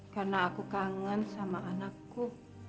karena aku kangen sama anakku